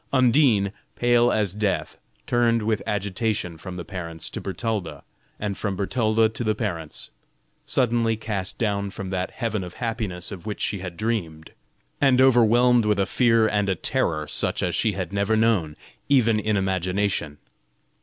Undine, pale as death, turned with agitation from the parents to Bertalda, and from Bertalda to the parents; suddenly cast down from that heaven of happiness of which she had dreamed, and overwhelmed with a fear and a terror such as she had never known even in imagination.